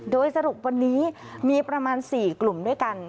โดยสรุปวันนี้มีประมาณ๔กลุ่มด้วยกัน